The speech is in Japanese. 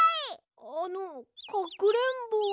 あのかくれんぼは？